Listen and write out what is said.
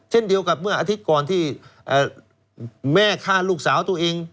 เช่นเดียวกับเมื่ออาทิตย์ก่อนที่แม่ฆ่าลูกสาวตัวเอง